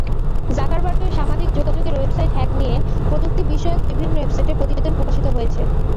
জাকারবার্গের সামাজিক যোগাযোগের website hack নিয়ে প্রযুক্তি-বিষয়ক বিভিন্ন ওয়েবসাইটে প্রতিবেদন প্রকাশিত হয়েছে।